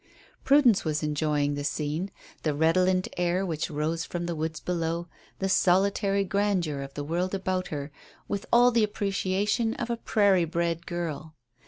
Prudence was enjoying the scene, the redolent air which rose from the woods below, the solitary grandeur of the world about her, with all the appreciation of a prairie bred girl.